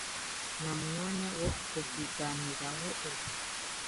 Nta mwanya wo kubiganiraho ubu.